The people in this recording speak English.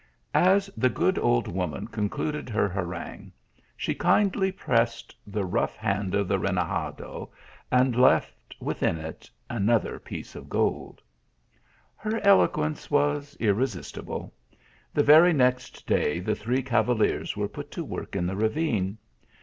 As the good old woman concluded her harangue, she kindly pressed the rough hand of the renegado, and left within it another piece of gold_. 146 THE ALHAMBEA. Her eloquence was irresistible. The very next day the three cavaliers were put to work in the ra vine.